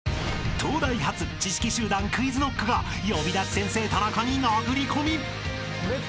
［東大発知識集団ＱｕｉｚＫｎｏｃｋが『呼び出し先生タナカ』に殴り込み！］